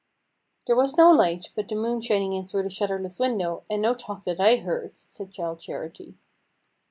"There was no light, but the moon shining in through the shutterless window, and no talk that I heard," said Childe Charity.